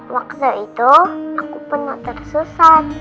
waktu itu aku pernah tersesat